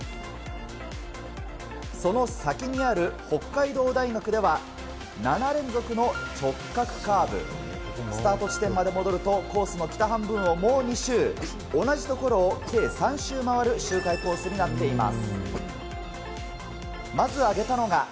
その先にある北海道大学では７連続の直角カーブ、スタート地点まで戻ると、コースの北半分をもう２周同じところを計３周回る周回コースになっています。